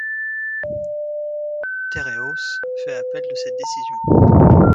Tereos fait appel de cette décision.